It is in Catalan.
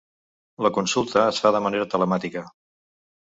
La consulta es fa de manera telemàtica.